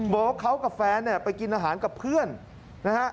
บอกว่าเขากับแฟนเนี่ยไปกินอาหารกับเพื่อนนะฮะ